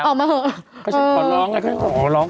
ก็ใช่ขอร้อง